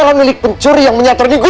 untuk melakukan perubahan apa yang nicco